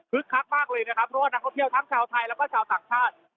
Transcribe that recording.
คักมากเลยนะครับเพราะว่านักท่องเที่ยวทั้งชาวไทยแล้วก็ชาวต่างชาติ